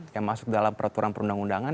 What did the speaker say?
yang masuk dalam peraturan perundang undangan